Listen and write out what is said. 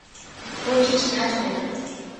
Хөөе чи чинь яаж байна аа?